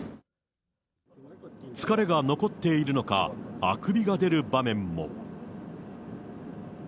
疲れが残っているのか、あくびが出る場面も。